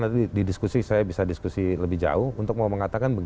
saya mau bilang di diskusi saya bisa diskusi lebih jauh untuk mau mengatakan begitu